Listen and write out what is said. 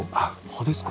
葉ですか？